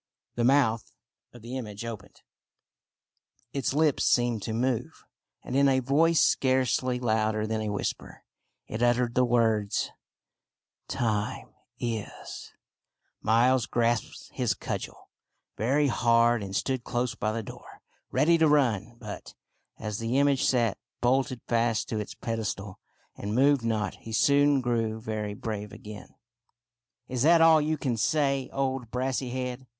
The mouth of the image opened, its lips seemed to move, and in a voice scarcely louder than a whisper, it uttered the words —" Time is ! Miles grasped his cudgel very hard and stood close by the door, ready to run. But, as the image sat bolted fast to its pedestal, and moved not, he soon grew very brave again. " Is that all you can say, old Brassy head